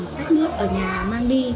xách nước ở nhà mang đi